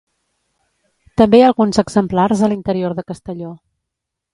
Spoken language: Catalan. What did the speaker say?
També hi ha alguns exemplars a l'interior de Castelló.